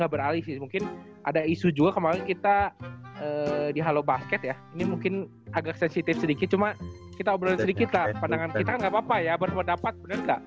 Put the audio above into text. gak beralih sih mungkin ada isu juga kemaren kita di halo basket ya ini mungkin agak sensitif sedikit cuma kita obrol sedikit lah pandangan kita kan gapapa ya berpendapat bener gak